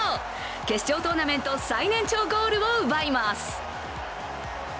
決勝トーナメント最年長ゴールを奪います。